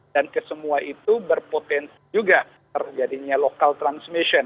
dan kesemua itu berpotensi juga terjadinya local transmission